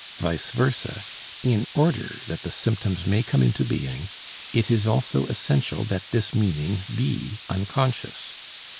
Vice versa, in order that the symptoms may come into being, it is also essential that this meaning be unconscious.